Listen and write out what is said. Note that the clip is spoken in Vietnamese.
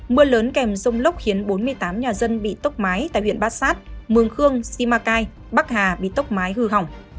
mưa lớn kèm rông lốc khiến bốn mươi tám nhà dân bị tốc mái tại huyện bát sát mường khương simacai bắc hà bị tốc mái hư hỏng